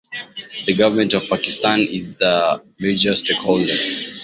The Government of Pakistan is the major stakeholder.